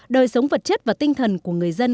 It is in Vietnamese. đời sống vật chất và tinh thần của người dân